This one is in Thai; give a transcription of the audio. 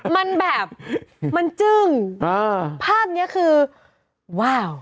มันแบบมันจึ้งอ่าภาพเนี้ยคือว้าว